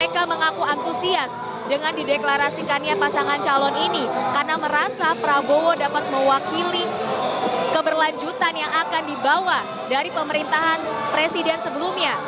mereka mengaku antusias dengan dideklarasikannya pasangan calon ini karena merasa prabowo dapat mewakili keberlanjutan yang akan dibawa dari pemerintahan presiden sebelumnya